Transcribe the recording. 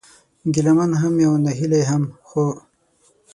ګيله من هم يم او ناهيلی هم ، خو